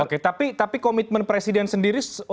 oke tapi komitmen presiden sendiri sudah dianggap